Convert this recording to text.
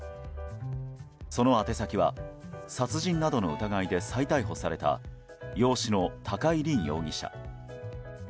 その宛先は、殺人などの疑いで再逮捕された養子の高井凜容疑者。